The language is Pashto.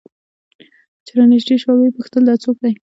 چې رانژدې سوه ويې پوښتل دا څوك دى؟